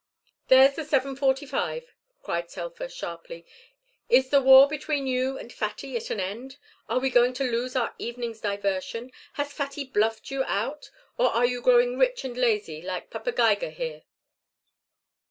"There's the seven forty five," cried Telfer, sharply. "Is the war between you and Fatty at an end? Are we going to lose our evening's diversion? Has Fatty bluffed you out or are you growing rich and lazy like Papa Geiger here?"